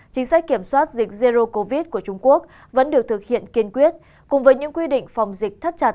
chính sách kiểm soát dịch zero covid của trung quốc vẫn được thực hiện kiên quyết cùng với những quy định phòng dịch thắt chặt